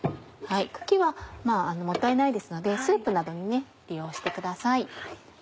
茎はもったいないですのでスープなどに利用してください。